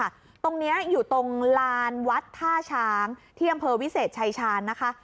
ตรงนี้อยู่ตรงลานวัดท่าช้างที่อำเภอวิเศษชายชาญนะคะ